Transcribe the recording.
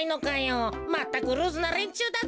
まったくルーズなれんちゅうだぜ。